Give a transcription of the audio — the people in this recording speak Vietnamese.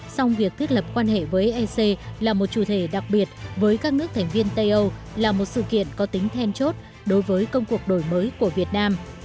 song việc thiết lập quan hệ với ec là một chủ thể đặc biệt với các nước thành viên tây âu là một sự kiện có tính then chốt đối với công cuộc đổi mới của việt nam